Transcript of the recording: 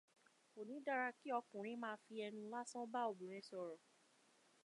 Kò ní dára kí ọkùnrin máa fi ẹnu lásán bá obìnrin sọ̀rọ̀